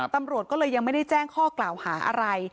ตำรวจก็เลยยังไม่ได้แจ้งข้อกล่าวหาอะไร